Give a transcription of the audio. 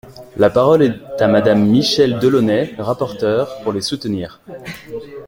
La parole est à Madame Michèle Delaunay, rapporteure, pour les soutenir.